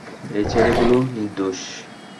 এই ছেলেগুলো নির্দোষ।